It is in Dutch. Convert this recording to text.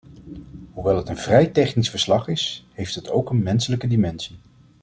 Hoewel het een vrij technisch verslag is, heeft het ook een menselijke dimensie.